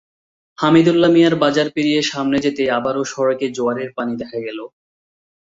হামিদুল্লাহ মিয়ার বাজার পেরিয়ে সামনে যেতেই আবারও সড়কে জোয়ারের পানি দেখা গেল।